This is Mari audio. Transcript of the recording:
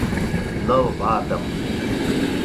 Ныл ватым.